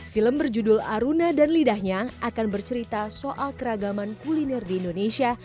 film berjudul aruna dan lidahnya akan bercerita soal keragaman kuliner di indonesia